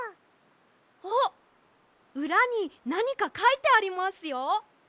あっうらになにかかいてありますよ。